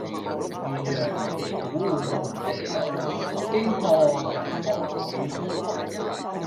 漁陽鼙鼓動地來，驚破霓裳羽衣曲。